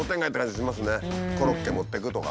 「コロッケ持ってく？」とか。